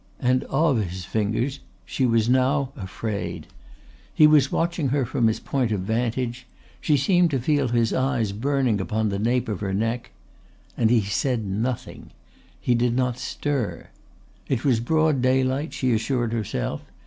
And of his fingers she was now afraid. He was watching her from his point of vantage; she seemed to feel his eyes burning upon the nape of her neck. And he said nothing; and he did not stir. It was broad daylight, she assured herself.